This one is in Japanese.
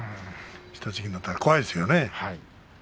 下敷きになったら怖いですよね。